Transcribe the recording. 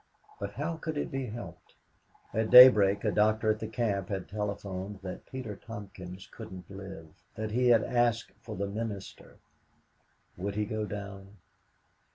But how could it be helped? At daybreak a doctor at the camp had telephoned that Peter Tompkins couldn't live, that he had asked for the "minister." Would he go down?